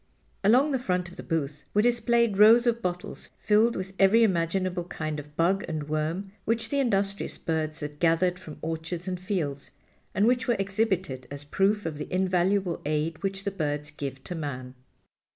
Along the front of the booth were displayed rows of bottles filled with every imaginable kind of bug and worm which the industrious birds had gathered from orchards and fields, and which were exhibited as proof of the invaluable aid which the birds give to man.